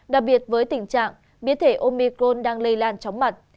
đặc biệt với tình trạng biến thể omicron đang lây lan chóng mặt